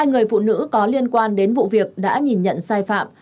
hai người phụ nữ có liên quan đến vụ việc đã nhìn nhận sai phạm